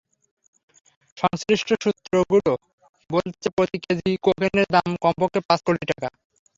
সংশ্লিষ্ট সূত্রগুলো বলছে, প্রতি কেজি কোকেনের দাম কমপক্ষে পাঁচ কোটি টাকা।